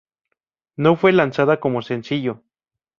No fue lanzada como sencillo.